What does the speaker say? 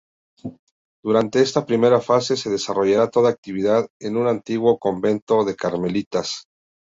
Durante esta primera fase se desarrollará toda actividad en un antiguo convento de Carmelitas.